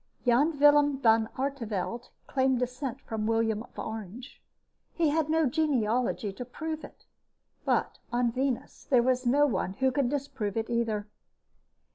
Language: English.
_ Jan Willem van Artevelde claimed descent from William of Orange. He had no genealogy to prove it, but on Venus there was no one who could disprove it, either.